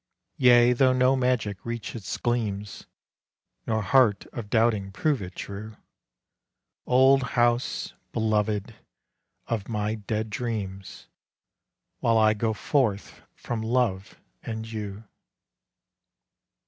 Yea, though no magic reach its gleams, Nor heart of doubting prove it true, Old house, beloved, of my dead dreams, While I go forth from love and you.